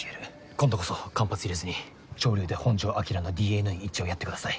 今度こそ間髪入れずに「潮流」で本城彰のＤＮＡ一致をやってください。